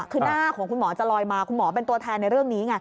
คือหน้าของคุณหมอจะลอยมาคุณหมอเป็นตัวแทนในเรื่องนี้ไง